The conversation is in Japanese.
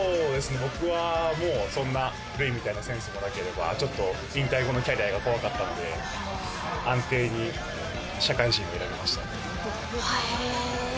僕はそんな、塁みたいなセンスもなければ引退後のキャリアが怖かったので、安定に社会人を選びました。